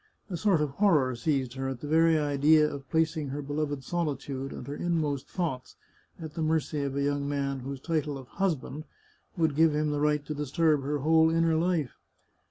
A sort of horror seized her at the very idea of placing her beloved solitude, and her inmost thoughts, at the mercy of a young man whose title of " husband " would give him the right to disturb her whole inner life.